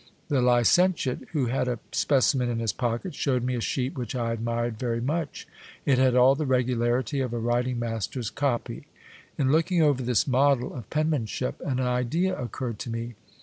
The licentiate, who had a specimen in his pocket, shewed me a sheet which I admired very much : it had all the regularity of a writing master's copy. In looking over this model of penman ship, an idea occurred to me.